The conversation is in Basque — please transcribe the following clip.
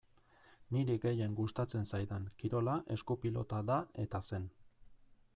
Niri gehien gustatzen zaidan kirola esku-pilota da eta zen.